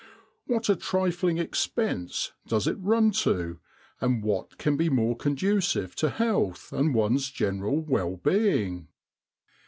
What a trifling expense does it run one to, and what can be more condu cive to health and one's general well being